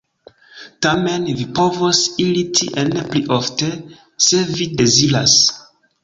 Tamen vi povos iri tien pli ofte, se vi deziras.